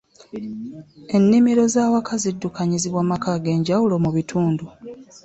Ennimiro z’awaka ziddukanyizibwa maka ag’enjawulo mu bitundu.